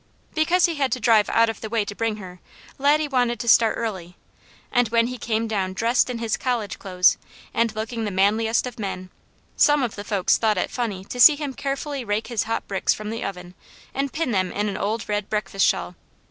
Because he had to drive out of the way to bring her, Laddie wanted to start early; and when he came down dressed in his college clothes, and looking the manliest of men, some of the folks thought it funny to see him carefully rake his hot bricks from the oven, and pin them in an old red breakfast shawl.